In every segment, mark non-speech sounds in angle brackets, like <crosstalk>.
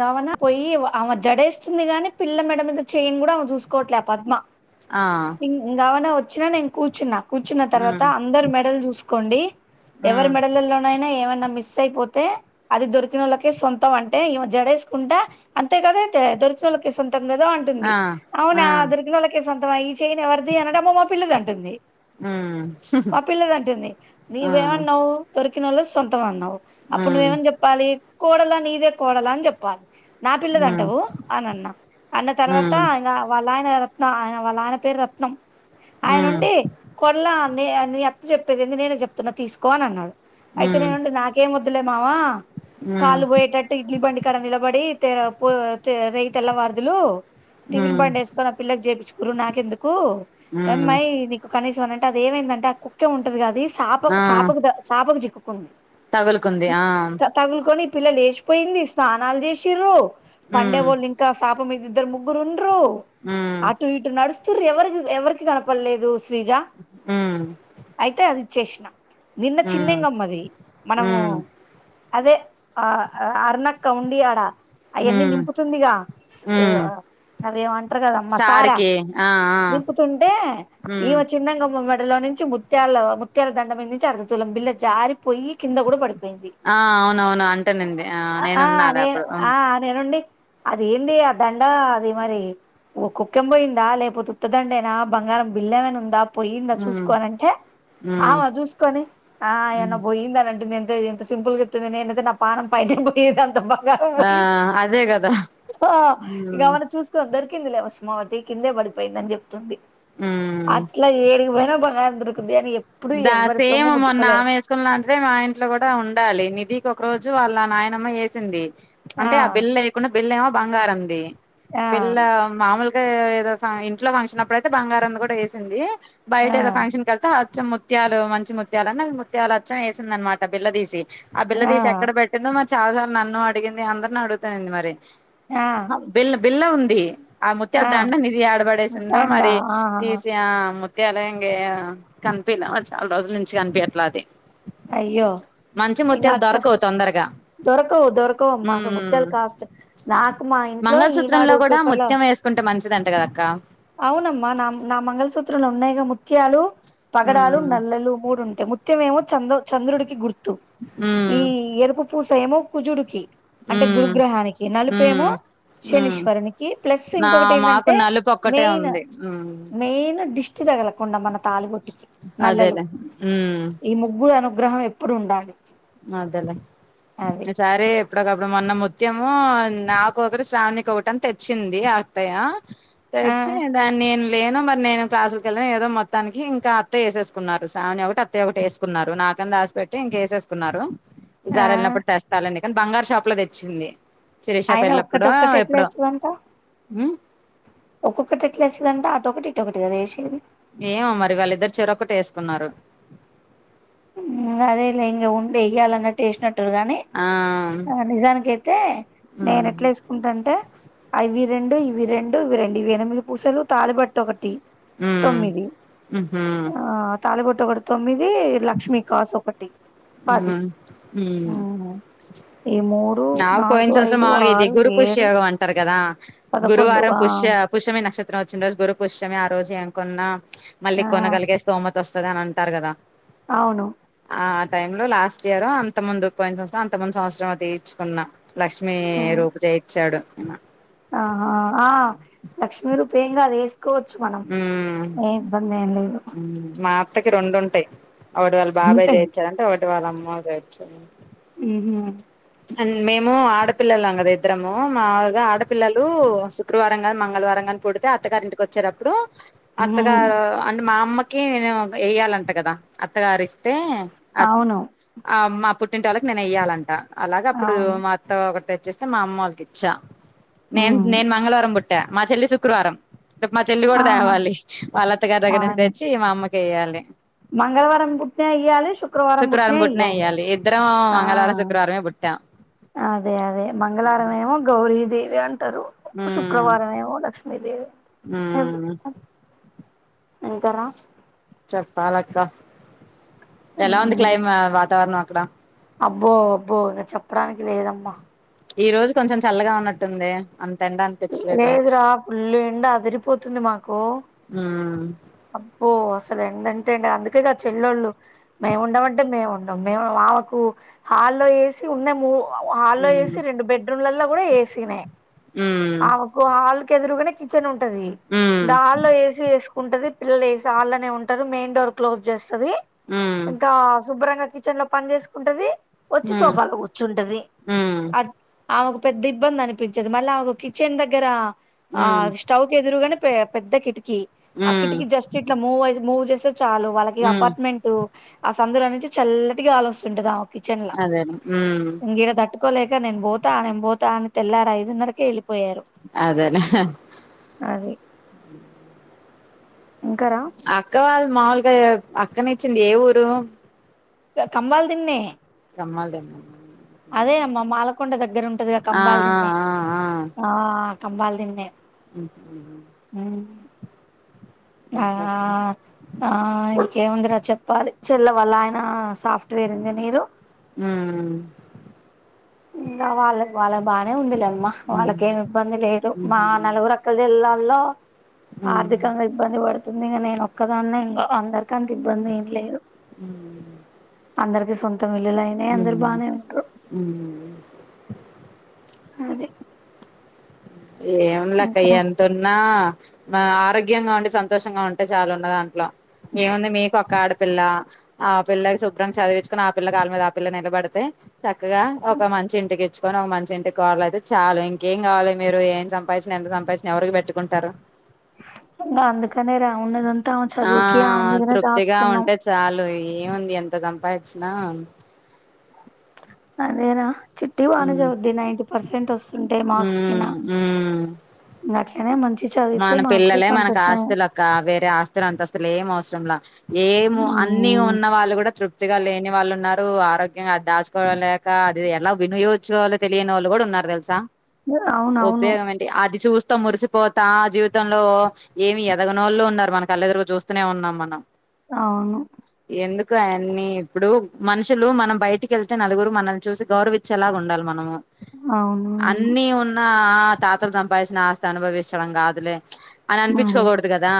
గవన్నా పోయి ఆమె జడేస్తుంది గాని పిల్ల మేడ మీద చెయిన్ కూడా ఆమె చూసుకోవట్లే పద్మ ఆ ఇం గావనే వ వచ్చిన నే కూర్చున్నా కూర్చున్న తర్వాత మ్మ్ అందరు మెడల్ చూసు కోండి ఎవరి మ్మ్ మెడలల్లోనైనా ఏమన్నా మిస్ అయిపోతే అది దొరికిన వాళ్ళకే సొంతం అంటే జడేష్ కుంట అంతే కదా దే దొరికినోళ్ళకి సొం తంగదూ అంటుంది ఆ అవునా ఆ దొరికిన వాళ్ళకి కొంత వయ్ చేయని ఎవరిది అనడమో మా పిల్లది అంటుంది మ్మ్ మా పిల్లదంటుంది ఆ నీవేమన్నావు దొరిక్ కినోళ్ల సొంతమన్నవ్ అప్పుడు మ్మ్ నువ్వేమని జెప్పాలి కోడలా నీదే కోడలంత్ జెప్పాల్ నా మ్మ్ పిల్లదంటవు అని అన్న అన్న తర్వాత మ్మ్ ఇంగ వాళ్ళ ఆయన నా ఆయన వాళ్ ఆయన పేరు రత్నం మ్మ్ ఆయనుండి కొడ్ల అండి నీ అత్త చెప్పేదేందీ నేనే చెప్తున్నా తీసుకో అనన్నాడు అయితే మ్మ్ నేనుండి నాకేమ్ వద్ దులేమవా మ్మ్ కాలు పోయేటట్టు ఇడ్లీ బండి బడి తెరా పో తే రైయ్ వారుదులు టిఫిన్ మ్మ్ బండి వేసుకొని ఆ పిల్లకి చేపిచుకురు నాకెందుకు మ్మ్ వెమ్మాయ్ నీకు కనీసం నన్ టది ఏమైందంట కుక్కే ఉంటది కాదిస్ సాప సాపగ ద సాపకు చెక్ కుంది తగులు కుంది ఆ ఈ పిల్ల లేేసిపోయిందిస్ సానాల్ చేసిరు పండే మ్మ్ బోలు ఇంకా సా మీదిద్దరు ముగ్గురున్ ట్రూ మ్మ్ అటు ఇటు నడుస్ <unintelligible> ఎవరికి ఎవరికి కనపడలేదు శ్రీజ మ్మ్ అయితే అది చేసిన నిన్న మ్మ్ చిన్నింగమ్మది మనము మ్మ్ అదే ఆ ఆ అర్న కౌండి యాడా అయన్నీ మ్మ్ నింపుతుందిగా మ్మ్ <unintelligible> అదేమంటరు కదమ్మా సారా సార్కి ఆ ఆ నింపుతుంటే మ్మ్ ఈమ చిన్నగామ్ మూమెంట్ లో నుంచి ముత్యాల ముత్యాల దండ మీ నుంచి అర్ధతులం బిల్ల జారి పొయ్యి ఆ అవునవును అంటేనంది ఆ ఆ నేనున్నాలే నేన్ అప్పుడు ఆ నేనుండి అది ఏంది ఆ దండ అది మరి కుక్కెం పోయిందా లేకపోతే ఉత్తదండేనా బంగారం బిల్లమైనా ఉందా పోయిందా మ్మ్ చూసుకో అంటే ఆ మ్మ్ చూసుకొని ఆ అయన్న మ్మ్ పోయిందని అంటే నేను ఎంత సిపుల్గా ఎతుంది ఎ నా పానం పైన ఏది అంత బాగ ఆ పోయింది అదే కదా ఇక మ్మ్ మన చూసుకోన్ దొరికి కింద లే వసమావతి కింద పడిపోయిందని చెప్ ంది మ్మ్ అట్లా ఏడికిపోయినా బంగారం దొరుకు ఉద్యానికి చెప్ ద సేమ్ మొన్న ఆమె వేసుకున్న లాంటిదే మా ఇంట్లో కూడా ఉండాలి నిధికి ఒక రోజు వాళ్ళ నా అమ్మ వేసింది అంటే ఆ బిల్ లేకుండా బిల్ల బంగారంది ఆ వెళ్ళ మామలుగ్ ఏదో స ఇంట్లో ఫంక్షన్ అప్పుడయితే బంగారం కూడా వేసింది బయట ఆ ఎలా ఫంక్షన్కెళ్త మంచి ముత్యాలు మంచి ముత్యాల అన్న ముత్యాలచ్చం వేసింది అనమాట బిల్లదీసి ఆ బిల్ల తీసి ఎక్కడ పెట్టిందో మరి చాలాసార్లు నన్ను అడిగింది అందరిని అడుగుతా ఉంది మరి ఆ బిల్ బిల్ల ఉంది ఆ ముత్యాల దండ నిధి ఆడబడేసిందో దండ మరి ఆ తీసి ఆ ము ముత్యాలంగే కనిపిలే చాలా రోజుల నుంచి కనిపియట్ల అది అయ్యో మంచి ఇంగ ముత్యాలు అ దొరకవు తొందరగా దొరకవు దొరకవుమ్మా అసలు ఉమ్ ముత్యలు కాష్ట నాకు మా ఇంట్లో మంగళసూత్రంలో ఈనాడు కూడా పేపర్లో ముత్యం వేసుకుంటే మంచిదంట కదక్క అవునమ్మా నా నా మంగళసూత్రంలో ఉన్నాయి గా ము త్యాలు పగడాలు ఉమ్ నల్లలు మూడు ఉంటాయి ముత్యమేమో చంద చంద్రుడికి గుర్త్ తు ఈ ఉమ్ ఎరుపు పూస ఏమో కుజుడుకి అంటే ఉమ్ గురుగ్రహానికి నలుపేమో ఉమ్ ఉమ్ శనీశ్వరునికి ప్లస్ నా ఇంకొకటి మాకు ఏంటంటే నలుపు ఒక్కటే మెయిన్ ఉంది ఉమ్ మెయిన్ దిష్టి తగలకుండా మన తగలకుండ నల్లలు అదేలే ఉమ్ ఈ ముగ్గురు అను గ్రహం ఎప్పుడు ఉండాలి అదల అది సారే అప్పుడకప్పుడు మొన్న ముత్యము నాకొకరు శ్రావణి ఒకటి అని తెచ్చింది అత్తయ్య ఆ తెచ్చి దాన్ని నేను లేను మరి నేను క్లాసుకెళ్ళను ఏదో మొత్తానికి ఇంకా అత్తయ్య వేసేసుకున్నారు శ్రావణి ఒకటి అత్తయ్య ఒకటి వేసుకున్నారు నాకంత ఆసిపెట్టి ఇంక వేసేసు న్నారు ఆ విజార ఎలా పడుతాస్తానే కానీ బంగారు షాప్ లో తెచ్చింది శిరీష ఆయన పెళ్ళప్పుడో ఒక్కటిొక్కటి ఎట్లా ఎప్పుడో ఇస్తుందంట ఉమ్ ఒక్కొక్కటి ఎట్లా వస్తుందంట అటొక్కటి ఇటి ఏమో మరి వాళ్ళిద్దరు చెూరక్కటి వేసుకున్నారు అదే ఇ ఇం ఉండిగిాలన్న టేస్ట్ న గాని ఆ ఆ నిజానినికి అయితే నేను ఉమ్ ఎట్లా వేసుకుంటా అంటే అవి రెండు ఇవి రెండు ఇవి రెండు ఇవి ఎనిమిది పూసలు తాలిబట్టు ఒకటి ఉమ్ తొమ్మిది ఉహు ఆ తాలిబట్ ఒక ఒకటి తొమ్మిది లక్ష్మి కాసోపటి పాజ ఉమ్ ఉమ్ నాకు పోయినసం మాలుగా ఇది ఆరు గురు పుష్య ఏడు యోగం అంటారు కదా పదకొండు గురువారం ఆ పుష్య పుష్యమి నక్షత్రం వచ్చిన రోజు గురు పుష్యమి రోజు అంకున్నా మళ్ళీ ఆ కొనగలిగేస్తోమ వస్తుందిని అంటారు కదా అవును ఆ టైమ్ లో లాస్ట్ ఇయర్ అంత ముందు పోయి సంవసం అంత మంది సంవత్సరం అ నచ్చుకున్నా లక్ష్మిీ ఉమ్ రూపుజయించాడు అ ఆహా తీసుకోవచ్చు మనం ఏ ఇబ్బంది ఏం లేదు మాత రెండుంటాయి్ ఒకటి వాళ్ళ ఉంటాయి బాబాయయిచ్చార అంట వళ్ళమ్ము హమ్ అండ్ మేము ఆడపిల్లలుం కదా ఇద్దరము మాములుగా ఆడపిల్లలు శుక్రవారం కానీ మంగళవారం కానీ పూడితే అత్తగారింటికి వచ్చేటప్పుడు ఉమ్ అత్తగారు అంటే మా అమ్మ నేను వేయ్యాలంట కదా అత్తగారి అ అవును మా పుట్ <unintelligible> ఇటోలకి నేను వెయ్యాలంటన అలాగ అప్పుడు అవును మా అత్త ఒకటి వచ్చేస్తే మా అమ్మ వాళ్ళకి ఇచ్చా నేన్ ఉమ్ నేన్ మంగళవారం ముుట్ మా చెల్లి శుక్రవారం మా చెల్లి కూడా ఆహా తేవాలి వాళ్ళ. అత్తగారి దగ్గర అవును తెచ్చి మా అమ్మకి చేయాలి మంగళవారం పుట్టినే ఏయ్యాలి శుక్రవారం పుతృణ పుట్టిన ఏయ్యాలి ఎయ్యాలి ఇద్దరం ఆహా మంగళవారం శుక్రవారమే పుట్టాం అదే అదే మంగవారమేమో గౌరి దవే <unintelligible> ఉమ్ శుక్రవారం ఏమో లక్ష్మీదేవివ ఉమ్ అంకారా చెప్పా లక్క ఎలా ఉంది క్లైమా వాతావరణం ఎక్కడ అబ్బో అబ్బో ఇక చెప్పడానికి లేదమ్మా ఈ రోజు కొంచెం చల్లగా ఉన్నట్టుంది అంత ఎండ అనిపించలేదు లేదురా ఫుల్లు ఎండ అదిరిపోతుంది మాకు ఉమ్ అబ్బో అసలు ఏండంటే అ అందుకేగా చెల్లో ళ్ళు మేము ఉండమంటే మేము ఉండం మేము మామకు హాల్లో ఏసీ ఉన్నెం పో హాల్లో ఉమ్ ఏసీ రెండు బెడ్రూమ్లలో ఇంట్లో కూడా ఏసీనే ఉమ్ ఆప్పు ఆ <unintelligible> ఎదురుగానే కిచన్ ఉంట ది ఉమ్ దాలో ఏసీ వేసు ఉంటది పిల్లలు ఏమో హాల్ లోనే ఉంటారు మెయిన్ డోర్ క్లోజ్ చేసి ది ఉమ్ ఇంకా శుభ్రంగా కిచెన్ లో పని చేసుకుంటాది వచ్చి ఉమ్ సోఫాలో కూర్చుంటాడి ఉమ్ అ ఆమెకు పెద్ద ఇబ్బంది అనిపించేది మళ్ళ ఆమె ఒక కిచెన్ దగ్గర ఆ ఉమ్ స్టవ్ కి ఎదురుగానే పె పెద్ద కిటికీ ఉమ్ ఇ జస్ట్ ఇలాూ్ చాలు వాళ్ళకి ఉమ్ అపార్ట్మెంట్ ఆ సందురా నుంచి చల్లటిగాలు వస్తుంటుది కిచన్ అదేలే ఉమ్ అంగిరా దాట్ కోలేక నేను పోతా నేను పోతా అని తెల్లారు ఐదున్నరకి వెళ్ అదేనే అది ఇంకారా అక్క వాళ్ళు మాములుగా అక్కని ఇచ్చింది ఏ ఊరు <unintelligible> <unintelligible> అదేనమ్మ మాల్కొండ దగ్ దగ్గర ఉంటదిగా ఆ కంబాలు దిన్నే ఆ ఆ ఆ కంబాల దిన్నె <unintelligible> ఆ ఇంకా అక్క ఆ ఇంకేం ఉందిరా చెప్పాలి చెల్ల వల్ల ఆయన సాఫ్ట్వేర్ ఇంజినీర్ ఉ ఆ ఇంకా వాళ్ళ వాళ్ళ బానే ఉంది లే అమ్ ఉమ్ వాళ్ళకేమి ఇబ్బంది లేదు మా ఉహు నలుగురక్కలు వెళ్ళాల హలో ఉమ్ ఆర్థికంగా ఇబ్బంది పడతుంది ంది ఇక నేను ఒక్కదాన్నే ఇంకా అందరు అంత ఇబ్బంది ఏం లేదు అందరికి మొత్తం <unintelligible> అయినే అందరు బానే ఉంటారు అదే ఏం లే అక్క ఎంత ఉన్నా ఆరోగ్యంగా ఉండి సంతోషంగా ఉంటే చాలా ఉన్న దాంట్లో ఏముంది మీకు ఒక్క ఆడపిల్ల ఆ పిల్ల సుబ్రంగా చదివించుకుని ఆ పిల్లా కళ్ళ మీద ఆ పిల్ల నిలబడితే చక్కగా ఒక మంచి ఇంటికి చ్చుకొనీ ఒక మంచి ఇంటికి కోడలు అయితే చాలు ఇంకేం కావాలి మీరు ఏం సంపాదించిన ఎంత సంపాదించిన ఎవరికి పెట్టుకుంటారు ఇ అందుకనేరా వున్నదంతా ఆ చదువుకి ఆమె మీదనే తృప్తిగా దాస్తున్నాం ఉంటే చాలు ఏముంది ఎంత సంంపాదచ్చినా అదేరా చిట్టి బానే ఉమ్ చదువుద్ది నైంట పర్సెంట్ వస్తుంటాయి మార్క్స్ కినా ఉమ్ ఉమ్ <unintelligible> మంచి చదివితే మన మాకు కూడా పిల్లలే మనకు సంతోషమే ఆస్తులక్క వేరే ఆస్తులు అంత అసలు ఏం అవసరంలా ఏము అన్ని ఉమ్ ఉన్న వాళ్ళు కూడా తృప్తి గా లేని వాళ్ళు ఉన్నారు ఆరోగ్యంగా అది దాచుకోవడంలేక అది ఎలా వినియోగించుకోవాలో తెలియని వాళ్ళు కూడా ఉన్నారు తెలుసా అవునవును ఉపయోగమేంటి అది చూస్ త మురిసిపో త జీవితంలో ఏమి ఎదగనోళ్ళు ఉన్నారు మన కల్లెదురుగు చూస్తూనే ఉన్నాం మనం అవును‌ గయన్ని ఇప్పుడు మనుషులు మనం బయటికెళ్తే నలుగురు మనల్ని చూసి గౌరవిచ్చేలాగుండాలి మనము అవునువును ఆ తాతలు సంపాదించిన ఆస్త అనుభవించ్ తడం కాదులే అని మరే అనిపించుకోకూడదు కదా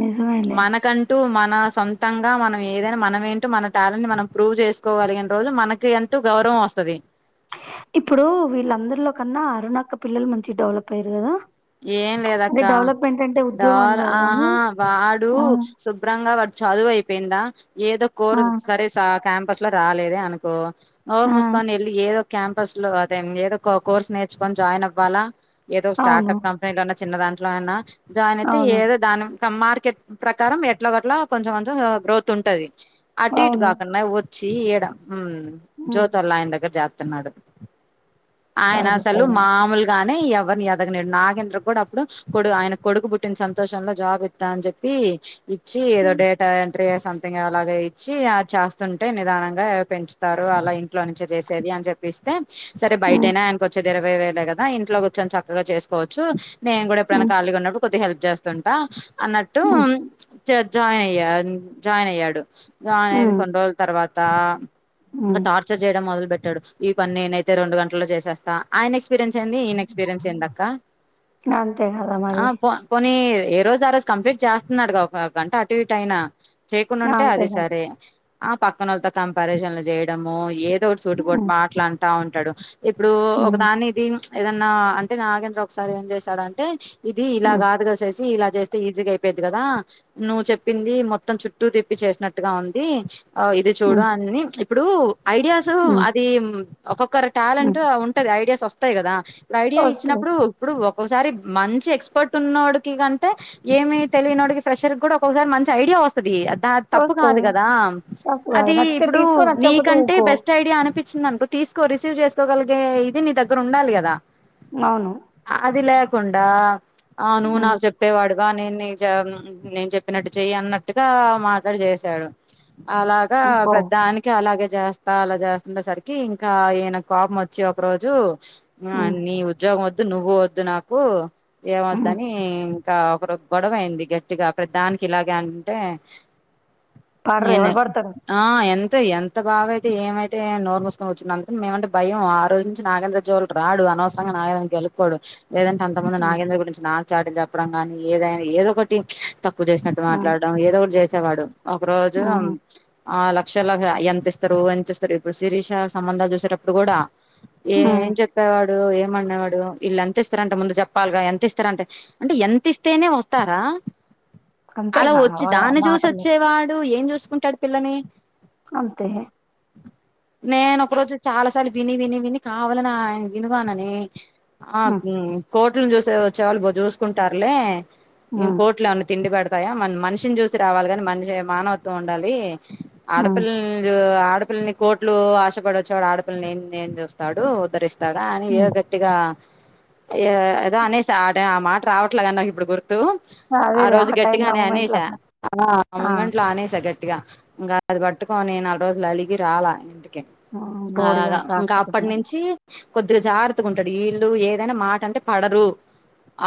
నిజమేలే మనకంటూ మ మన సొంతంగా మనం ఏదైనా మనం ఏంటో మన టాలెంట్ ని మనం ప్రూవ్ చేసుకోగలిగిన రోజు మనకి అంటూ గౌరవం వస్తది ఇప్పుడు వీళ్ళందరిలో కన్నా అరుణాక్క పిల్లలు మంచిగ డెవలప్ అయిరు కదా ఏం అంటే లేదక్క డెవలప్మెంట్ అంటే ఉద్యోగం అని కాదు కానీ ఆహా వాడు ఆ శుభ్రంగా వాడు చదువయిప్ పేందా ఏదో కోరు ఆ సరే సా క్యాంపస్ లా రాలేదే అనుకో ఆ నోర్ముస్కోని ఎల్లి ఏదో క్యాంపస్ లో అదే ఏదో ఒక కోర్స్ నేర్చుకొని జాయిన్ అవ్వాలా ఏదో స్టార్ట్ అవును కంపెనీలో ఉన్న చిన్న దా లాన్న జాయిన్ అయితే అవును ఏదో దానిం మార్కెట్ ప్రకారం ఎట్లా గట్లా కొంచెం కొంచెం గ్రోత్ ఉంటది అటిటు అవును కాకండా చేయడం ఉమ్ ఉమ్, జోతోల్లాయన దగర జాత్ త్తనాడు సరే ఆయనసలు సరే మామూలుగా ఎవర్ని అడ నాగేంద్ర కూడా అప్పుడు కొడు ఆయన కొడుకు పుట్టిన సంతోషంలో జాబ్ ఇత్తా అని చెప్పి ఇచ్చి ఏదో ఉమ్, డేటా ఎంట్రీ సమ్తింగ్ అలాగ ఇచ్చి అ చేస్తుంటే నిదానంగా పెంచుతారు అలా ఇంట్లో నుంచే చేసేది అని చెప్పిస్తే సరే బయటయిన ఆయనకొచ్చేదిరవై వేలే కద్ ఇంట్లో కూచోని చక్ కగా చేసుకోవచ్చు నేను కూడా ఎప్పుడైనా ఉమ్, కాలీగా ఉన్నపుడు కొద్ది హెల్ప్ చేస్ తుంటా అన్నట్టు ఉమ్, జాయిన్ అయ జాయిన్ అయ్యాడు ఇ ఆయన ఉమ్, కొన్ని రోజుల తర్వాత ఇంకా ఉమ్. టార్చర్ చేయడం మొదలు పెెట్టాడు ఈ పని నేనైతే రెండు గంట లో చేసస్తా ఆయన ఎస్రియన్ ఏన్ ఎస్పీరిన్స్ ఏంది అక్క అంతే కదా ఆ మరి పోనీ ఏ రోజు ఆ రోజు కంప్లీట్ చేస్తున్నాడుగా ఒక గంట అటు ఇటు అయినా చేయకుండా ఉంటే అంతే అదే కదా సరే ఆ పక్కనళ్లతో కంపారిజన్ చేయడము ఏ చూటు ఉమ్. కొటి మాట్లా అంటా ఉంట టాడు ఇప్పుడు హ్మ్. ఒకదాని ఇది ఏదన్నా అంటే నాగేంద్ర ఒకసారి ఏం చేశాడంటే ఇది హ్మ్. ఇలాగా ఆటగసేసి ఇలా చేస్తే ఈజీగా అయిపోయిది కదా నువ్వు చెప్పింది మొత్తం చుట్టూ తిప్పి చేసినట్టుగా ఉంది ఆ ఇది చూడు హ్మ్. అన్నన్ని ఇప్పుడు ఐడియాస్ హ్మ్. అది ఒక్కొక్కరు టాలెంట్ హ్మ్. ఉంటది ఐడియాస్ పత్తాయి కదా రాయ్ వస్తాయి. వచ్చినప్పుడు ఇప్పుడు ఒక ఒకసారి మంచి ఎక్స్పర్ట్ ఉన్నోడికి కంటే ఏమి తెలియనోడికి ఫ్రెషర్ కూడా ఒక్కొసారి మంచి ఐడియా వస్తుది ద తప్పు కాదు వస్తాయి. కదా తప్పు కాదు. అది నచ్చితే ఇప్పుడు తీసుకో నచ్చకపోతే నీకంటే ఊకో. బెస్ట్ ఐడియా అనిపి వచ్చినుకో తీసుకో రిసీవ్ చేసుకోగలిగే ఇది నీ దగ్గర ఉండాలి కదా అవును. అదిలా కుండా ఆవు నువ్వు హ్మ్. నాకు చెప్తేవాడు నేను నేను చెప్పినట్టు చెయ్యి అన్నట్టుగా మాట్డు చేశాడు అలాగా ఊకో. పెద్దానికి అలాగే చేస్త వస్త అలా చేస్తుండ సరికి ఇంకా ఈయన కోపం వచ్చి ఒక రోజు ఆ హ్మ్. నీవు వద్దు నువ్వు వద్దు నాకు హ్మ్. ఏవద్దని ఇంకా ఒక రోజ్ గొడవ అయింది గట్టిగా అక్కడ ప్రతి దానికి ఇలాగే అంటే పడరు. నేనే ఎవడు పడతాడు? ఆ ఎంత్ తే ఎంత బావయితే ఏమైతే నోరు మూసుకొని వచ్చింది అంతకని మేమంటే భయం ఆ రోజు నుంచి నాగేంద్ర జోళ్ళుక్ రాడు అనవసరం అంగ నాగగానికి గెలుకోడు లేదంటే అంత మంది హ్మ్. నాగేంద్ర గురించి నా చాడిల్ చెప్పడం గాని ఏదైనా ఏదొ ఒకటి తప్పు చేసినట్టు హ్మ్. మాట్లాడడం ఏదో ఒకటి చేస్ తే వాడు ఒక్కరోజు హ్మ్. ఆ లక్షలాగా ఎంత ఇస్తారు ఎంత ఇస్తారు ఇప్పుడు శిరీష సంబంధాలు చూసేటప్పుడు కూడా ఏం హ్మ్. చెప్పేవాడ్ <unintelligible> ఇమ్మాన్నాడు ఈళ్లు ఎంతయిస్తారంట ముందు చెప్పాలిగా ఎంత ఇస్తారంటే అంటే ఎంత ఇస్తేనే వస్తారా అలా అంతేగా వచ్చి ఆహ్, దాన్ని చూసి మాటలు. వచ్చేవాడు ఏం చూసుకుంటాడు పిల్లని అంతే నేను ఒక రోజు చాలా సార్లు విని విని విని కావాలనే ఆయన వినుగా అన్ననే ఆ హ్మ్. మ్మ్ కోర్ట్ <unintelligible> వచ్చే వాళ్లు బాగ్ చూసుకుంటారులే ఇంక్ హ్మ్. కోట్లు అడ్ని తిండి పెడత్ తయ్య మన మన్షిన్ చూసి రావాలి కాని మన్షీ మానవత్వం ఉండాలి ఆడ హ్మ్. <unintelligible> ఆడపిల్ని కోట్లు ఆశపడవచ్చు వాడు ఆడపిల్ని ఏం ఏం చేస్తాడు ఉద్దరిస్త్ తాడా అని ఏ హ్మ్. గట్ గట్టిగా ఏదో అనేసి ఆ టై ఆ మాట రావట్లేగాని నాకు ఇప్పుడు గుర్తు టు ఆ అదేలే రోజు టైంలో ఆ గట్టిగానే మొమెంట్‌లో అనేసా అట్లా. ఆ ముమంట్లో ఆనేసా గట్టి గట్టిగా ఇంకా అది పట్టుకోని నాలుగు రోజులు అలిగి రాలా ఇంటి కి హ్మ్. అలాగా బోడిగాడు ఇంకా రాకపోతే అప్పటి మరి. నించి కొద్దిగా జార్ ఎత్తుకుంటాడు వీళ్ళు ఏదైనా మాట అంటే పడరు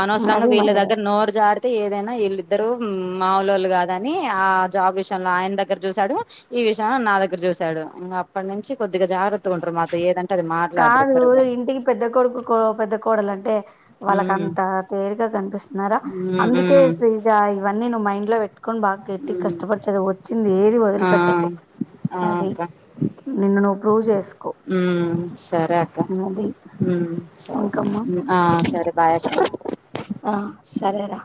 అనొసరంగా అది వీళ్ల మరి దగ్గర నోరు జార్ అయితే ఏదైనా వీళ్ళిద్దరు మాముూలు వాళ్ళు కాదని ఆ జాబ్ విషయంలో ఆయన దగ్గర చూసాడు ఈ విషయంలో నా దగ్గర చూసాడు ఇంకా అప్పటి నుంచి కొద్దిగా జగ్రత్త ఉండ్ర్రి మ ఏదంటే అది మాట్లాడ్రి కాదు ఇద్దరుగా ఇంటికి పెద్ద కొడుకు కో పెద్ద కోడలు అంటే వాళ్ళక ఉమ్ అంత తేరుగా కనిపిస్తున్నారా ఉమ్ అందుకే ఉమ్ శ్రీజ ఇవన్న ను్వు మండ్ పెట్ కకొని బాగా కట్టి ఉమ్ కష్టపడిచేది వచ్చింది ఏది ఆ వదిలిపెట్టకు ఆ అది అక్క నిన్ను ను సరే అక్క అది సరే ఇంకమ్మా ఆ సరే బాయ్ అక్క ఆ సరేరా